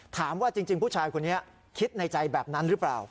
ถามว่าจริงผู้ชายคนนี้คิดในใจแบบนั้นหรือเปล่า